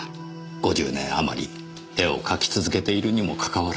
５０年あまり絵を描き続けているにもかかわらず。